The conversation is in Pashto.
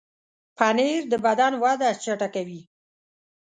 پنېر د بدن وده چټکوي.